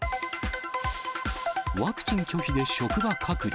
ワクチン拒否で職場隔離。